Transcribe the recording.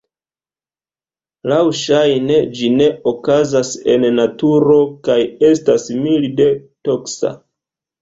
Laŭŝajne ĝi ne okazas en naturo kaj estas milde toksa.